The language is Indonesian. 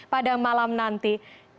pada malam nanti